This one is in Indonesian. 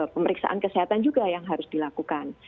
pemeriksaan kesehatan juga yang harus dilakukan